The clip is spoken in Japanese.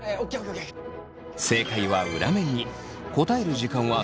正解は裏面に。